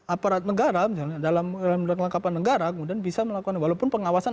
aparat negara misalnya dalam kelengkapan negara kemudian bisa melakukan walaupun pengawasan